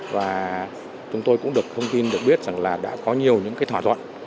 và chúng tôi cũng được thông tin được biết rằng là đã có nhiều những cái thỏa thuận